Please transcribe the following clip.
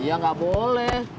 iya nggak boleh